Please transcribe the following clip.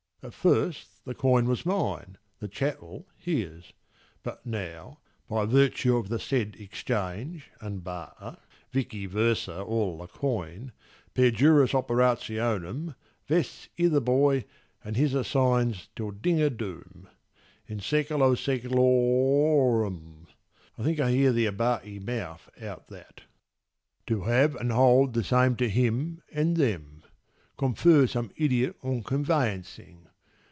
At first the coin was mine, the chattel his. But now (by virtue of the said exchange And barter) vice versa all the coin, Per juris operationem, vests I' the boy and his assigns till ding o' doom; (In sæcula sæculo o o orum; I think I hear the Abate mouth out that.) To have and hold the same to him and them ... Confer some idiot on Conveyancing.